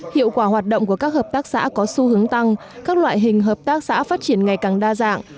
hiệu quả hoạt động của các hợp tác xã có xu hướng tăng các loại hình hợp tác xã phát triển ngày càng đa dạng